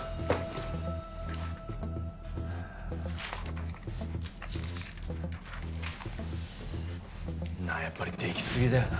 なあやっぱり出来すぎだよな。